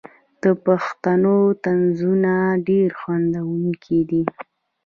د پښتنو طنزونه ډیر خندونکي دي.